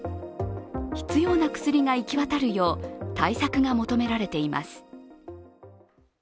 必要な薬が行き渡るよう対策が求められています。